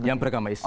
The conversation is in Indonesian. yang beragama islam